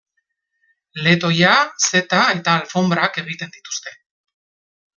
Letoia, zeta eta alfonbrak egiten dituzte.